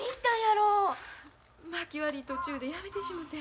まき割り途中でやめてしもて。